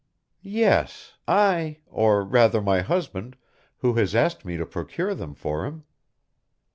"Yes, I, or rather my husband, who has asked me to procure them for him."